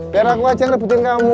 biar aku aja yang rebutin kamu